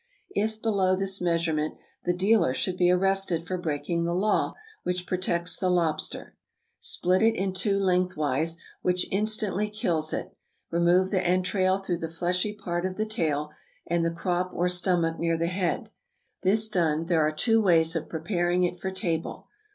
(If below this measurement, the dealer should be arrested for breaking the law which protects the lobster.) Split it in two lengthwise, which instantly kills it. Remove the entrail through the fleshy part of the tail, and the crop or stomach near the head. This done, there are two ways of preparing it for table.